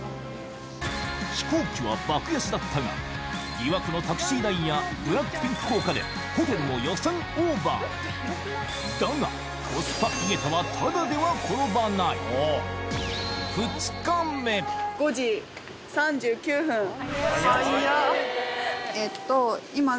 飛行機は爆安だったが疑惑のタクシー代やＢＬＡＣＫＰＩＮＫ効果でホテルも予算オーバーだがコスパ井桁はただでは転ばない５時３９分はっや。